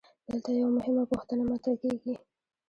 دلته یوه مهمه پوښتنه مطرح کیږي.